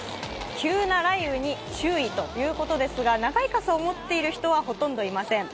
急な雷雨に注意ということですが、長い傘を持っている人はほとんどいません。